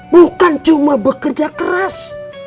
bukan cuma bekerja keras